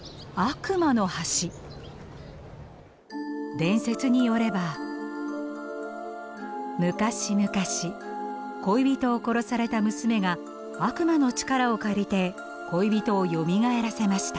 伝説によれば昔々恋人を殺された娘が悪魔の力を借りて恋人をよみがえらせました。